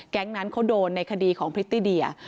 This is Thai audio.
นั้นเขาโดนในคดีของพริตตี้เดีย